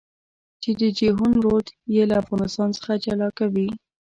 چې د جېحون رود يې له افغانستان څخه جلا کوي.